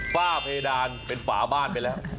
ฝ้าเพดานเป็นฝาบ้านไปแล้ว